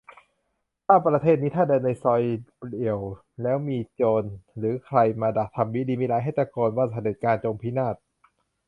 "ประเทศนี้นะถ้าเดินในซอยเปลี่ยวแล้วมีโจรหรือใครมาดักทำมิดีมิร้าย ให้ตะโกนว่า "เผด็จการจงพินาศ